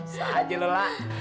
sama aja lu lah